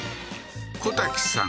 小瀧さん